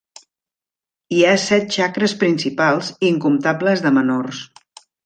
Hi ha set txakres principals i incomptables de menors.